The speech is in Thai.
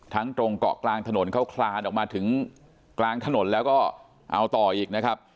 ตรงเกาะกลางถนนเขาคลานออกมาถึงกลางถนนแล้วก็เอาต่ออีกนะครับ